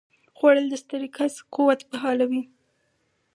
خوړل د ستړي کس قوت بحالوي